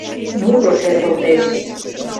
Муро шергылтеш.